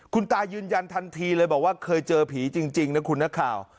คุณตายืนยันทันทีเลยบอกว่าเคยเจอผีจริงนะคุณนักข่าว